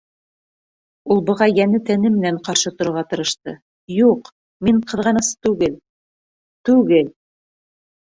Ул быға йәне-тәне менән ҡаршы торорға тырышты: «Юҡ, мин ҡыҙғаныс түгел, түгел!..»